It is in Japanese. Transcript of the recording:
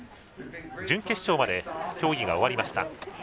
準決勝まで競技が終わりました。